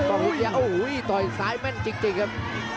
อย่าโอ้โหต่อยซ้ายแม่นจริงครับ